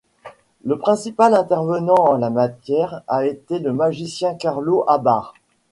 Le principal intervenant en la matière a été le magicien Carlo Abarth.